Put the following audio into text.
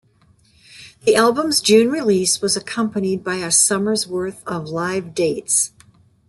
The album's June release was accompanied by a summer's worth of live dates.